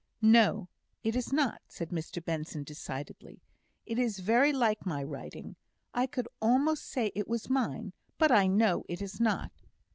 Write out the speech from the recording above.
"No, it is not," said Mr Benson, decidedly. "It is very like my writing. I could almost say it was mine, but I know it is not."